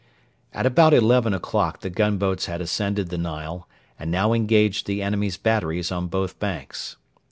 At about eleven o'clock the gunboats had ascended the Nile, and now engaged the enemy's batteries on both banks.